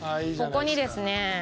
ここにですね